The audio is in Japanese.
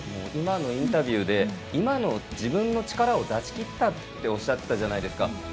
今のインタビューで今の自分の力を出し切ったっておっしゃっていたじゃないですか。